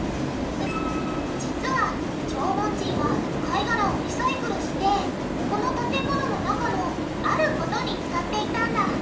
実は縄文人は貝がらをリサイクルしてこの建物の中のあることに使っていたんだ。